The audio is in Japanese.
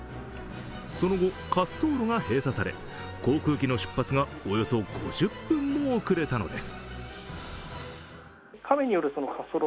その後、滑走路が閉鎖され、航空機の出発がおよそ５０分も遅れたのです。